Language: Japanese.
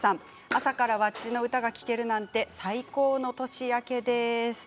朝からｗａｃｃｉの歌が聴けるなんて最高な年明けです。